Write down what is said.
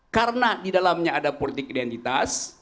karena di dalamnya ada politik identitas